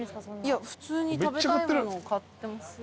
いや普通に食べたいものを買ってますよ。